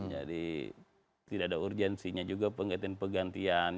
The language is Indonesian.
jadi tidak ada urgensinya juga penggantian pegantian